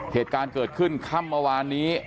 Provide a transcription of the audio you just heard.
เหตุการณ์เกิดขึ้นค่ำเมื่อวานนี้